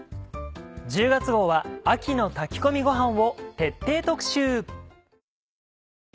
１０月号は秋の炊き込みごはんを徹底特集。